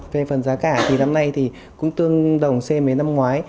về phần giá cả thì năm nay thì cũng tương đồng xe mấy năm ngoái